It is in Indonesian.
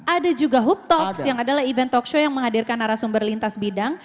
ada juga hub talks yang adalah event talkshow yang menghadirkan arah sumber lintas bidang